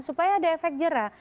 supaya ada efek jera